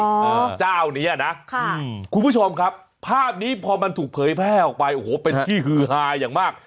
เจ้าเนี้ยนะค่ะคุณผู้ชมครับภาพนี้พอมันถูกเผยแพร่ออกไปโอ้โหเป็นที่ฮือฮาอย่างมาก